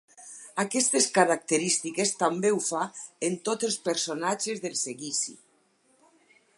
Aquestes característiques també ho fa en tots els personatges del Seguici.